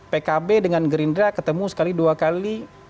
pkb dengan gerindra ketemu sekali dua kali